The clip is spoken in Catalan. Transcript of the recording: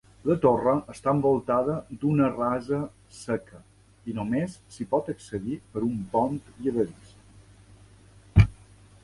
La torre està envoltada d'una rasa seca i només s'hi pot accedir per un pont llevadís.